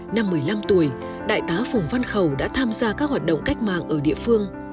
năm một mươi năm tuổi đại tá phùng văn khẩu đã tham gia các hoạt động cách mạng ở địa phương